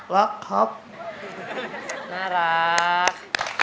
รักครับน่ารัก